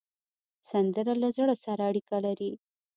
سندره له زړه سره اړیکه لري